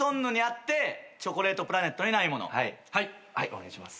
お願いします。